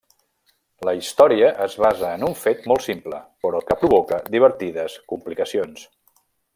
La història es basa en un fet molt simple, però que provoca divertides complicacions.